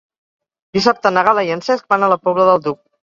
Dissabte na Gal·la i en Cesc van a la Pobla del Duc.